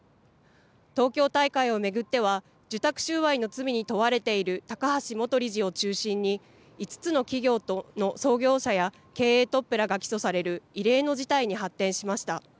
東京大会を巡っては受託収賄の罪に問われている高橋元理事を中心に５つの企業の創業者や経営トップらが起訴される異例の事態に発展しました。